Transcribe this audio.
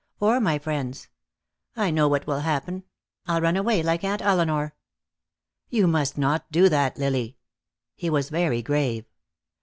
Or my friends. I know what will happen. I'll run away, like Aunt Elinor." "You must not do that, Lily." He was very grave.